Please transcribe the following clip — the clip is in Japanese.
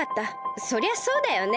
そりゃそうだよね。